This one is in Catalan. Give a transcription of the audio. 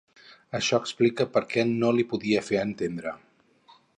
Això explica per què no li podia fer entendre.